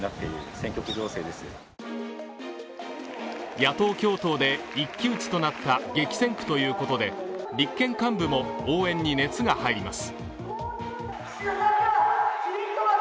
野党共闘で一騎打ちとなった激戦区ということで、立憲幹部も応援に熱が入ります。